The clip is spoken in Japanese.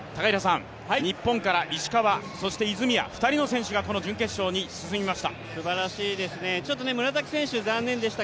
日本から石川、泉谷２人の選手がこの準決勝に進みました。